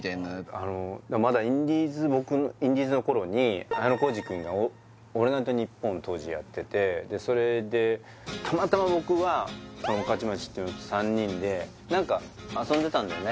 あのまだインディーズの頃に綾小路くんが「オールナイトニッポン」当時やっててでそれでたまたま僕はその御徒町っていうのと３人で何か遊んでたんだよね？